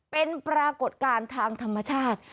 เป็นปรากฏการณ์ทางธรรมชาติ